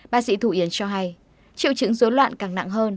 bác sĩ thủ yến cho hay triệu chứng dối loạn càng nặng hơn